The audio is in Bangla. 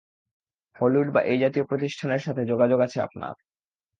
হলিউড বা এই জাতীয় প্রতিষ্ঠানের সাথে যোগাযোগ আছে আপনার!